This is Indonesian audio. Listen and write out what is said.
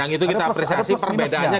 yang itu kita apresiasi perbedaannya